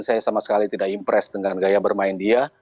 saya sama sekali tidak impress dengan gaya bermain dia